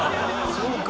そうか。